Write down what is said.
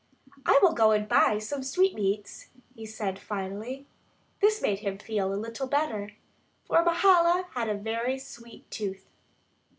"I will go and buy some sweetmeats," he said finally. This made him feel a little better, for Mahala had a very "sweet tooth."